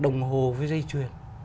đồng hồ với dây chuyền